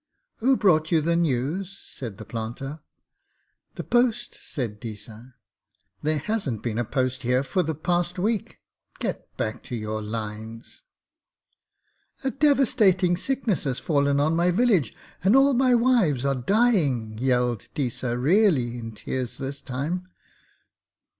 'Who brought you the news?' said the planter. 'The post,' said Deesa. 'There hasn't been a post here for the past week. Get back to your lines!' 'A devastating sickness has fallen on my village, and all my wives are dying,' yelled Deesa, really in tears this time.